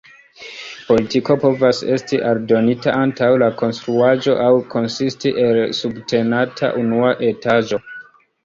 Portiko povas esti aldonita antaŭ la konstruaĵo aŭ konsisti el la subtenata unua etaĝo.